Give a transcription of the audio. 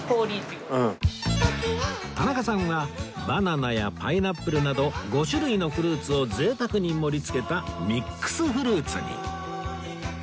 田中さんはバナナやパイナップルなど５種類のフルーツを贅沢に盛りつけた ＭＩＸ フルーツに